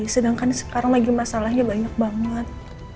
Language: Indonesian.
sedangkan sekarang lagi masalahnya banyak banget